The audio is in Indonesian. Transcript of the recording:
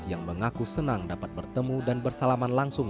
yang mengaku senang dapat bertemu dan bersalaman langsung